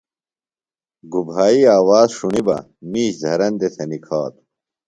گُبھائی آواز ݜُݨی بہ مِیش دھرندیۡ تھےۡ نِکھاتوۡ۔